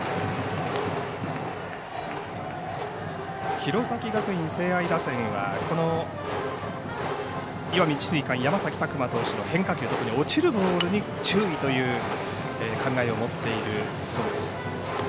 弘前学院聖愛打線はこの石見智翠館、山崎琢磨投手の変化球特に落ちるボールに注意という考えを持っているそうです。